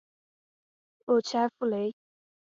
洛屈埃夫雷。